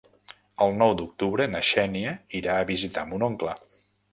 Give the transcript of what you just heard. El nou d'octubre na Xènia irà a visitar mon oncle.